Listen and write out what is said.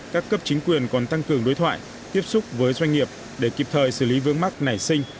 các cấp chính quyền còn tăng cường đối thoại tiếp xúc với doanh nghiệp để kịp thời xử lý vướng mắc nảy sinh